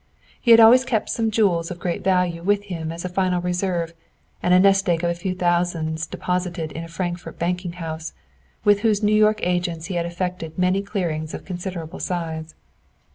He had always kept some jewels of great value with him as a final reserve, and a nest egg of a few thousands deposited in a Frankfort banking house, with whose New York agents he had effected many clearings of considerable size.